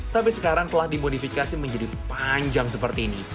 tapi sekarang telah dimodifikasi menjadi panjang seperti ini